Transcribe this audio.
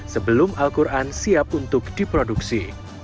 sebelum al quran siap untuk diproduksi